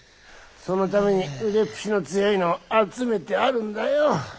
そのために腕っぷしの強いのを集めてあるんだよ。